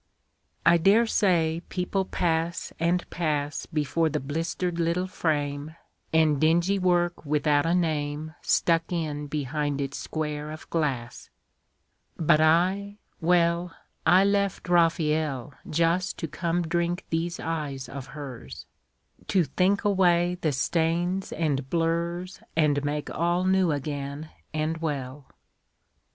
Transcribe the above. I dare say people pass and pass Before the blistered little frame, And dingy work without a name Stuck in behind its square of glass. But I, well, I left Raphael Just to come drink these eyes of hers, To think away the stains and blurs And make all new again and well.